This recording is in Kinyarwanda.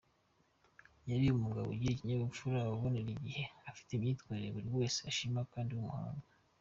Yari umugabo ugira ikinyabupfura, ubonekera igihe, ufite imyitwarire buri wese ashima kandi w’umuhanga.